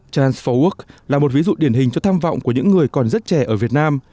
trans sáu work là một ví dụ điển hình cho tham vọng của những người còn rất trẻ ở việt nam